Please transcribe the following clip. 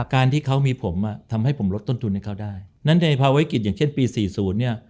การที่เขามีผมอ่ะทำให้ผมลดต้นทุนให้เขาได้นั้นในภารกิจอย่างเช่นปี๔๐เนี่ย